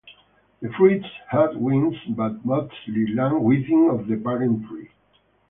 The fruits have wings but mostly land within of the parent tree.